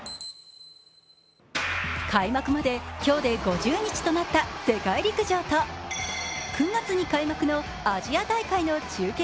開幕まで今日で５０日となった世界陸上と９月に開幕のアジア大会の中継